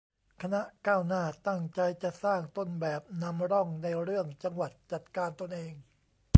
คณะก้าวหน้า ตั้งใจจะสร้างต้นแบบ นำร่อง ในเรื่อง จังหวัดจัดการตนเอง